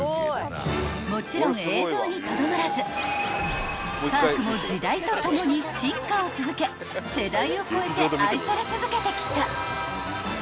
［もちろん映像にとどまらずパークも時代と共に進化を続け世代を超えて愛され続けてきた］